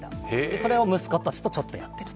それを息子たちとちょっとやっている。